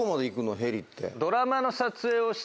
ヘリって。